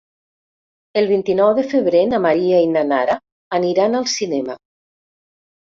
El vint-i-nou de febrer na Maria i na Nara aniran al cinema.